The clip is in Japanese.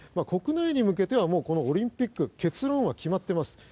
国内に向けてはこのオリンピック結論は決まっています。